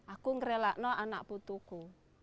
aku merelakan anak putuku